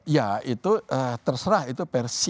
ya itu terserah itu versi